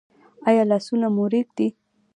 ایا لاسونه مو ریږدي؟